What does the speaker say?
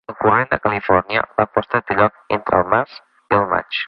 Al corrent de Califòrnia, la posta té lloc entre el març i el maig.